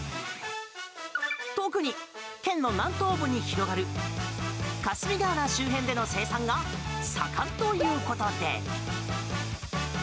特に、県の南東部に広がる霞ヶ浦周辺での生産が盛んということで。